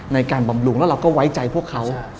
ในการบำรุงและเราก็ไว้ใจพวกเค้า